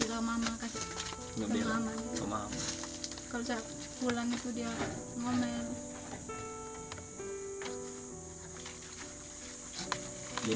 karena mama sering marah itu ngomel